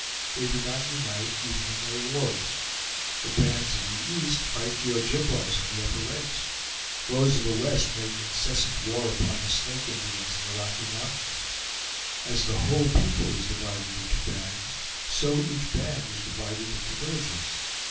They do not unite even in their wars. The bands of the east fight the Ojibwas on the Upper Lakes; those of the west make incessant war upon the Snake Indians in the Rocky Mountains. As the whole people is divided into bands, so each band is divided into villages.